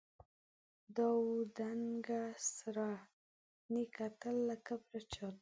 دا وه دنګه سروه، نې کتل له کبره چاته